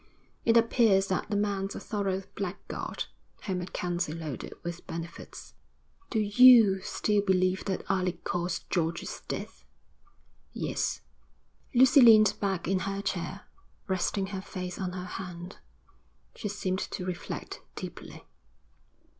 It appears that the man's a thorough blackguard, whom MacKenzie loaded with benefits.' 'Do you still believe that Alec caused George's death?' 'Yes.' Lucy leaned back in her chair, resting her face on her hand. She seemed to reflect deeply.